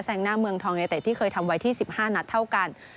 งหน้าเมืองทองในเตะที่เคยทำไว้ที่๑๕นัดเท่ากัน